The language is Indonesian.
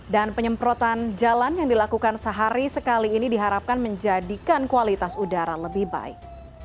dan penyemprotan jalan yang dilakukan sehari sekali ini diharapkan menjadikan kualitas udara lebih baik